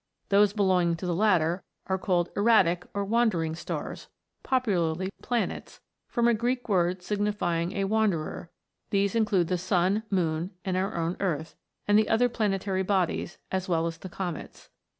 Those belonging to the latter are called erratic or wander ing stars, popularly planets, from a Greek word signifying a wanderer ; these include the sun, moon, our own earth, and the other planetary bodies, as well as the comets.